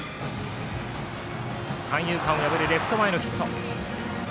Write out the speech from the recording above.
三遊間を破るレフト前のヒット。